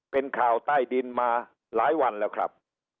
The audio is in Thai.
เป็นข่าวใต้ดินมาหลายวันแล้วครับ